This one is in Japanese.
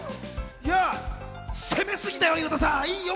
攻めすぎたよ、岩田さん。